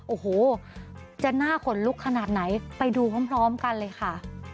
โอ้โหจะหน้าขนลุกขนาดไหนไปดูพร้อมกันเลยค่ะ